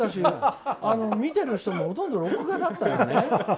見てる人もほとんど録画だったよね。